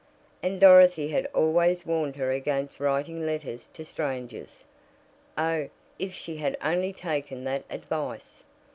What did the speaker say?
And Dorothy had always warned her against writing letters to strangers. Oh, if she had only taken that advice!